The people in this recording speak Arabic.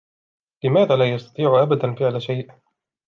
لماذا لا يستطيع أبدا فعل شيء ؟